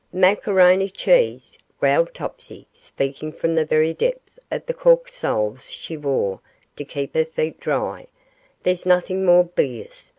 'Macaroni cheese,' growled Topsy, speaking from the very depth of the cork soles she wore to keep her feet dry; 'there's nothing more bilious.